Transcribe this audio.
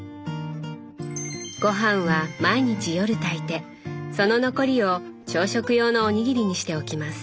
ごはんは毎日夜炊いてその残りを朝食用のおにぎりにしておきます。